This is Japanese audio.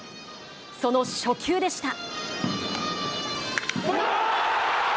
その初球でした。